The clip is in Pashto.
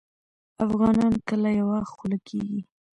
افغانان کله یوه خوله کیږي؟